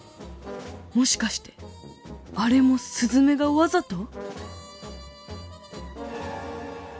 もしかしてあれもすずめがわざと？